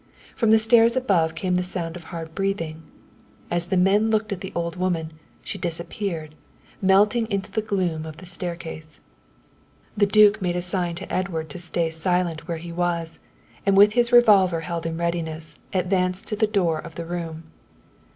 From the stairs above came the sound of hard breathing. As the men looked at the old woman, she disappeared, melting into the gloom of the staircase. The duke made a sign to Edward to stay silent where he was, and with his revolver held in readiness, advanced to the door of the room.